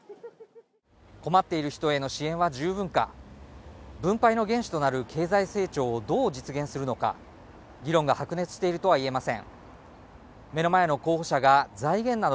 困っている人への支援は十分か分配の原資となる経済成長をどう実現するのか、議論が白熱しているとはいえません。